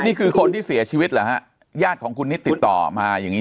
นี่คือคนที่เสียชีวิตเหรอฮะญาติของคุณนิดติดต่อมาอย่างนี้